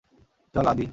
চল, আদি।